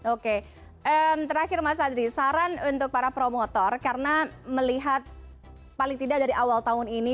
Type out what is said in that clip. oke terakhir mas adri saran untuk para promotor karena melihat paling tidak dari awal tahun ini